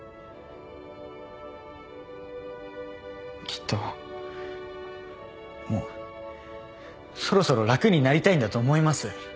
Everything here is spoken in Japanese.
きっともうそろそろ楽になりたいんだと思います。